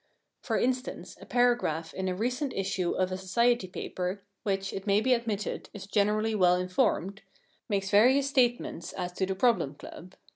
For instance, a paragraph in a recent issue of a society paper (which, it may be admitted, is generally well informed) makes various statements as to the Problem Club.